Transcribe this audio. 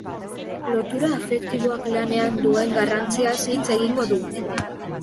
Lotura afektiboak lanean duen garrantziaz hitz egingo du.